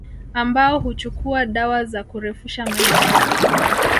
Ambao huchukua dawa za kurefusha maisha yao